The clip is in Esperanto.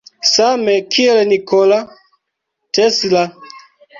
Same kiel Nikola Tesla.